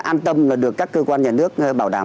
an tâm và được các cơ quan nhà nước bảo đảm